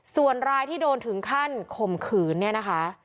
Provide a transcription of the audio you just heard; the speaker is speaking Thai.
ส่วนรายที่โดนถึงขั้นข่มขืนเนี่ยนะคะ